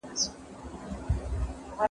انا په ډېرې ستړیا سره پر ځای کېناسته.